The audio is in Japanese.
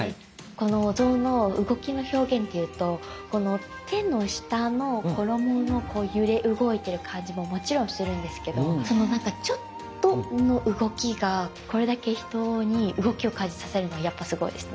このお像の動きの表現でいうとこの手の下の衣の揺れ動いてる感じももちろんするんですけどそのなんかちょっとの動きがこれだけ人に動きを感じさせるのはやっぱすごいですね。